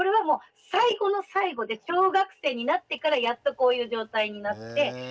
もう最後の最後で小学生になってからやっとこういう状態になって。